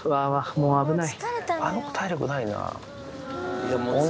もう危ない。